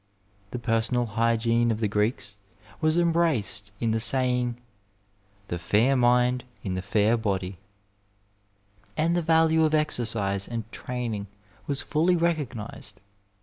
The personal hygiene of the Greeks was embraced in the saying, '^ The fair mind in the fair body,'' and the value of exercise and training was fully recognized.